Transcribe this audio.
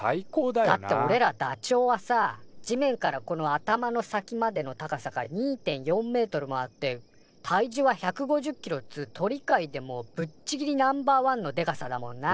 だっておれらダチョウはさ地面からこの頭の先までの高さが２．４メートルもあって体重は１５０キロっつう鳥界でもぶっちぎりナンバーワンのでかさだもんな。